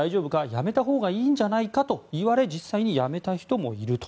辞めたほうがいいんじゃないかと言われて実際に辞めた人もいると。